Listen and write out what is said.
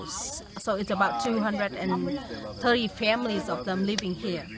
jadi sekitar dua ratus tiga puluh keluarga mereka yang tinggal di sini